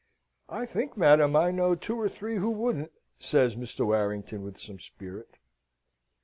"I think, madam, I know two or three who wouldn't!" says Mr. Warrington, with some spirit.